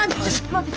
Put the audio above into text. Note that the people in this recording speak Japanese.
待って！